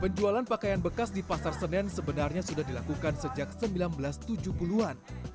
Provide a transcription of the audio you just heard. penjualan pakaian bekas di pasar senen sebenarnya sudah dilakukan sejak seribu sembilan ratus tujuh puluh an